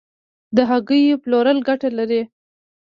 د هګیو پلورل ګټه لري؟